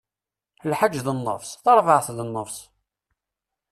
Lḥaǧ d nnefṣ, tarbaɛt d nnefṣ!